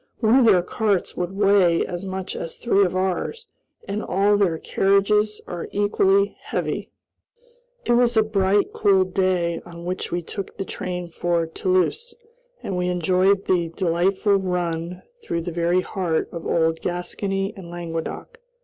One of their carts would weigh as much as three of ours, and all their carriages are equally heavy. It was a bright, cool day on which we took the train for Toulouse, and we enjoyed the delightful run through the very heart of old Gascony and Languedoc.